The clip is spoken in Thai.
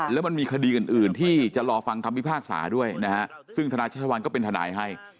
แล้วมันมีคดีอื่นที่จะรอฟังคำพิพากษาด้วยนะฮะซึ่งธนายชัชวัลก็เป็นทนายให้